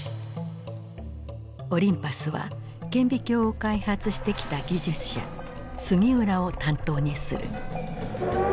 オリンパスは顕微鏡を開発してきた技術者杉浦を担当にする。